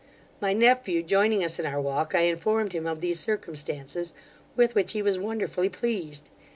My nephew joining us in our walk, I informed him of these circumstances, with which he was wonderfully pleased.